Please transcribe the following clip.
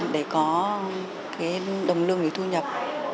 để có đồng lương để thu nhập